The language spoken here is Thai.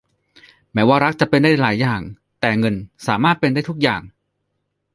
แม้ว่ารักจะเป็นได้หลายอย่าง แต่เงินสามารถเป็นได้ทุกอย่าง